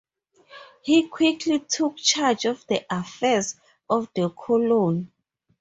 He quickly took charge of the affairs of the colony.